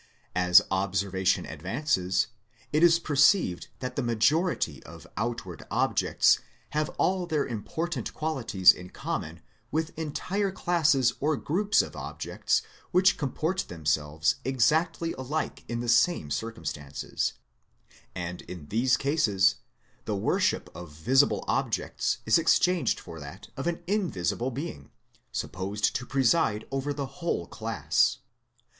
As observation advances, it is perceived that the majority of outward objects have all their important qualities in common with entire classes or groups of objects which comport themselves exactly alike in the same circumstances, and in these cases the worship of visible objects is exchanged for that of an invisible GENERAL CONSENT OF MANKIND 159 Being supposed to preside over the whole class.